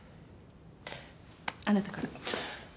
あなたから。